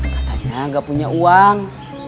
katanya gak punya uang